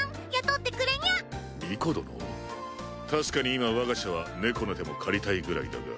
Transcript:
確かに今我が社は猫の手も借りたいぐらいだが。